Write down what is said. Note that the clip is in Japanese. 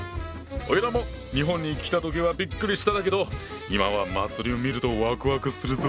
おいらも日本に来た時はびっくりしてたけど今は祭りを見るとワクワクするぞ！